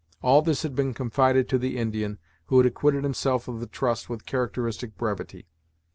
All this had been confided to the Indian, who had acquitted himself of the trust with characteristic brevity.